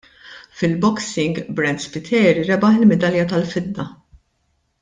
Fil-Boxing, Brent Spiteri rebaħ il-midalja tal-fidda.